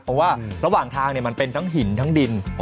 เพราะว่าระหว่างทางมันเป็นทั้งหินทั้งดิน